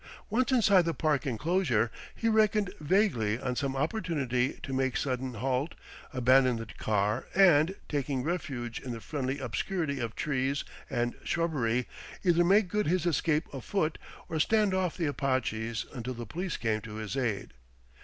Once inside the park enclosure, he reckoned vaguely on some opportunity to make sudden halt, abandon the car and, taking refuge in the friendly obscurity of trees and shrubbery, either make good his escape afoot or stand off the Apaches until police came to his aid.